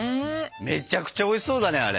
めちゃくちゃおいしそうだねあれ。